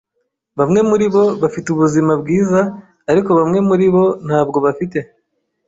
Bamwe muribo bafite ubuzima bwiza, ariko bamwe muribo ntabwo bafite.